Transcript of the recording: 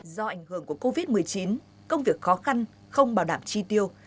do ảnh hưởng của covid một mươi chín công việc khó khăn không bảo đảm chi tiêu